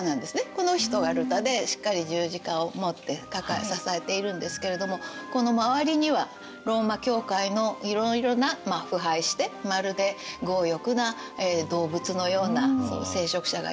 この人がルターでしっかり十字架を持って支えているんですけれどもこの周りにはローマ教会のいろいろな腐敗してまるで強欲な動物のような聖職者がいっぱい。